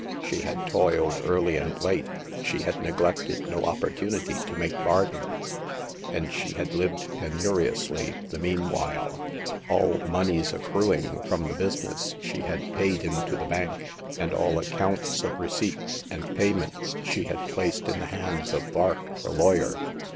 She had toiled early and late ; she had neglected no opportunity to make bargains ; and she had lived penuriously the meanwhile. All moneys accruing from the business she had paid into the bank ; and all accounts of receipts and payments she had placed in the hands of Vark, the lawyer.